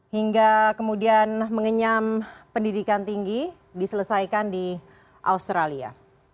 hingga kemudian mengenyam pendidikan tinggi diselesaikan di australia